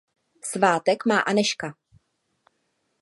Svátek má Anežka.